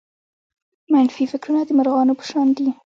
منفي فکرونه د مرغانو په شان دي.